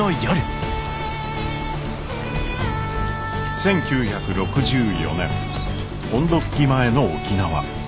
１９６４年本土復帰前の沖縄。